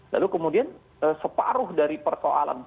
lalu kemudian separuh dari persoalan